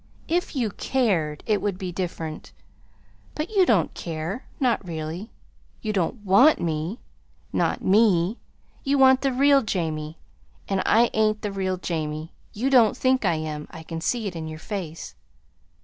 If you CARED it would be different. But you don't care not really. You don't WANT me not ME. You want the real Jamie, and I ain't the real Jamie. You don't think I am. I can see it in your face."